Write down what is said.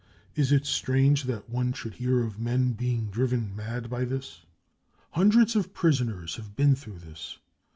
Is it strange that one should hear of men being driven mad by this ? 55 Hundreds of prisoners have been through this.